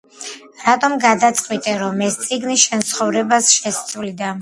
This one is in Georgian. რატომ გადაწყვიტე, რომ ეს წიგნი შენს ცხოვრებას შეცვლიდა?